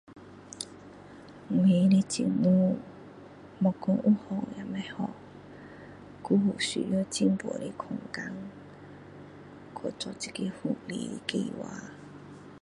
我们国家的网络不是很发达很多时候在外面的时候我都不能用我们的电话看资料有的地方还不错在在我家里面呵可以看网路上呃事情是我 suka 的